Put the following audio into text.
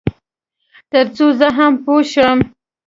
تر څو زه هم پوه شم.